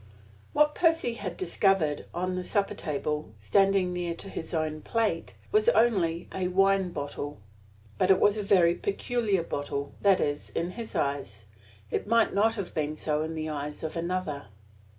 What Percy had discovered on the supper table, standing near to his own plate, was only a wine bottle. But it was a very peculiar bottle that is, in his eyes. It might not have been so in the eyes of another.